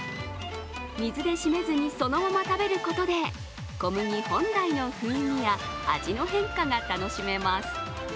水で締めずにそのまま食べることで小麦本来の風味や味の変化が楽しめます。